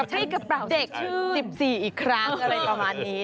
นี่แหละเด็ก๑๔อีกครั้ง